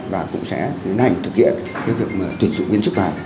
và cũng sẽ liên hành thực hiện việc tuyển dụng viên chức này